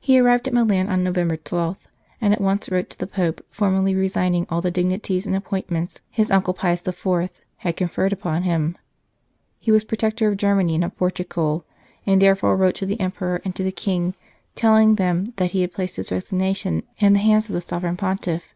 He arrived at Milan on November 12, and at once wrote to the Pope, formally resigning all the dignities and appointments his uncle, Pius IV., 101 St. Charles Borromeo had conferred upon him. He was Protector of Germany and of Portugal, and therefore wrote to the Emperor and to the King, telling them that he had placed his resignation in the hands of the Sovereign Pontiff.